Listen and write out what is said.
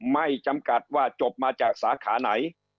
ไม่จำกัดว่าจบมาจากสาขาไหน